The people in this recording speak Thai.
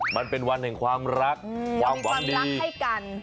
มันเป็นวันแห่งความรักความหวังดีให้กัน